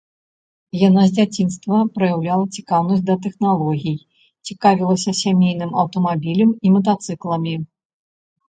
Яна з дзяцінства праяўляла цікавасць да тэхналогій, цікавілася сямейным аўтамабілем і матацыкламі.